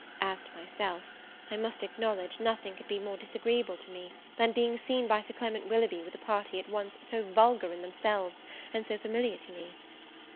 As to myself, I must acknowledge, nothing could be more disagreeable to me, than being seen by Sir Clement Willoughby with a party at once so vulgar in themselves, and so familiar to me.